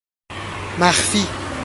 مخفی